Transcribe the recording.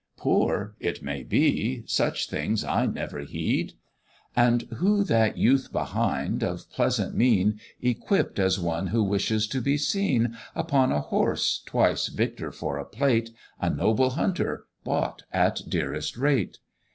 "Poor! it may be such things I never heed:" And who that youth behind, of pleasant mien, Equipped as one who wishes to be seen, Upon a horse, twice victor for a plate, A noble hunter, bought at dearest rate?